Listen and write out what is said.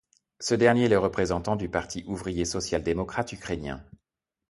Ce dernier est le représentant du Parti ouvrier social-démocrate ukrainien.